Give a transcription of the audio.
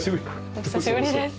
お久しぶりです